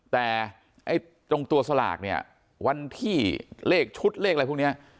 แต่ไอ้ตรงตัวสลากเนี่ยวันที่เลขชุดเลขอะไรพวกนี้